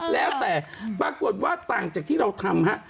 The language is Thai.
แล้วแต่ปรากฏว่าต่างจากที่เราทำฮะ